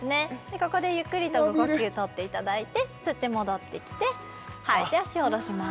ここでゆっくりと呼吸とっていただいて吸って戻ってきて吐いて足を下ろします